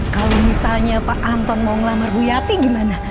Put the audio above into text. kalau misalnya pak anton mau ngelamar bu yati gimana